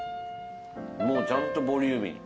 もうちゃんとボリューミー。